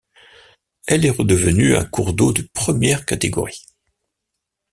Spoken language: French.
Elle est redevenue un cours d'eau de première catégorie.